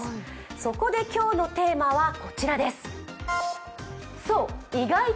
そこで今日のテーマはこちらです。